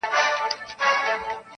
ځيني خلک غوسه دي او ځيني خاموش ولاړ دي,